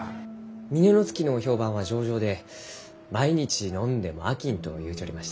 峰乃月の評判は上々で毎日飲んでも飽きんと言うちょりました。